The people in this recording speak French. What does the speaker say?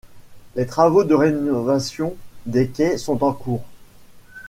Les travaux de rénovation des quais sont en cours.